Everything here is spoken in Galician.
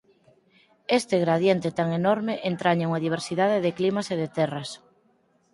Este gradiente tan enorme entraña unha diversidade de climas e de terras.